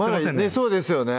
そうですよね